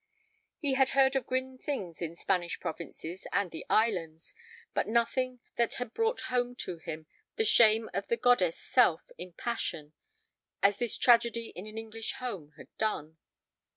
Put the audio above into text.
He had heard of grim things in the Spanish Provinces and the Islands, but nothing that had brought home to him the shame of the goddess self in passion as this tragedy in an English home had done.